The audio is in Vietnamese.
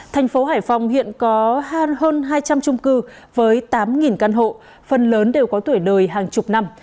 thành phố hải phòng hiện có hơn hai trăm linh trung cư với tám căn hộ phần lớn đều có tuổi đời hàng chục năm